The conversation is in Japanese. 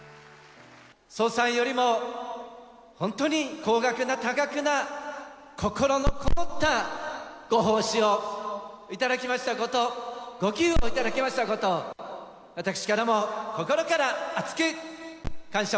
総裁より本当に高額な、多額な、心の込もったご奉仕を頂きましたこと、ご寄付を頂きましたことを、私からも心から厚く感謝